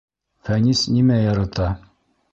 ФӘНИС НИМӘ ЯРАТА